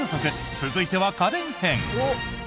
続いては家電編。